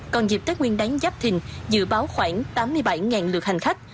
còn dịp tết nguyên đáng giáp thình dự báo khoảng tám mươi bảy lượt hành khách